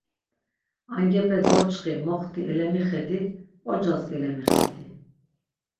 Angepe doçxi, moxti elemixedi, p̌ocas gelemixedi.